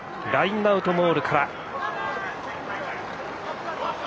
ラインアウトモールから。